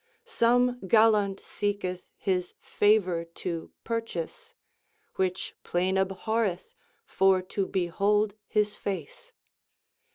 Some galand seketh his favour to purchase Which playne abhorreth for to beholde his face.